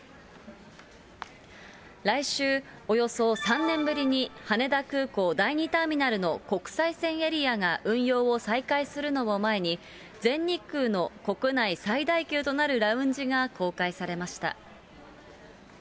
来週、およそ３年ぶりに羽田空港第２ターミナルの国際線エリアが運用を再開するのを前に、全日空の国内最大級となるラウンジが公開されました。